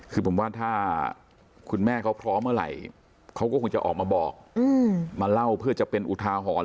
คือผมว่าถ้าคุณแม่เขาพร้อมเมื่อไหร่เขาก็คงจะออกมาบอกมาเล่าเพื่อจะเป็นอุทาหรณ์